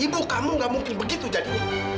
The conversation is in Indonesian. ibu kamu gak mungkin begitu jadinya